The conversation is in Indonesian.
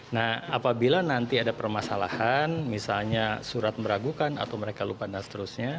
nah apabila nanti ada permasalahan misalnya surat meragukan atau mereka lupa dan seterusnya